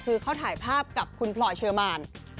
คือเขาถ่ายภาพกับคุณพลอยเชอร์มาน